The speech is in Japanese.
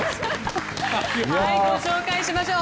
ご紹介しましょう。